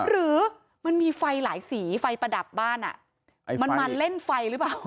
หรือมันมีไฟหลายสีไฟประดับบ้านมันมาเล่นไฟหรือเปล่า